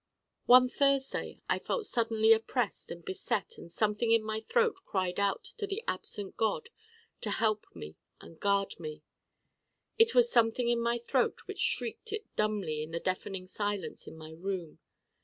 One Thursday I felt suddenly oppressed and beset and something in my throat cried out to the absent God to help me and guard me. It was something in my throat which shrieked it dumbly in the deafening silence in my room.